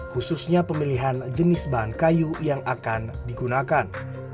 khususnya pemilihan jenis bahan kayu yang akan digunakan